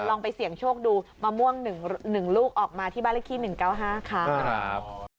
ลองไปเสี่ยงโชคดูมะม่วง๑ลูกออกมาที่บ้านเลขที่๑๙๕ค่ะ